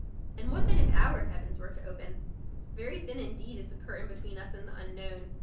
And what then if our heavens were to open? Very thin indeed is the curtain between us and the unknown.